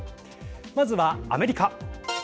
まずは、アメリカ。